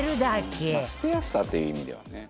「捨てやすさという意味ではね」